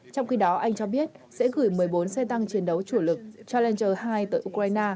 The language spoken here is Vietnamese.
trong khi đó anh cho biết sẽ gửi một mươi bốn xe tăng chiến đấu chủ lực tra lander hai tới ukraine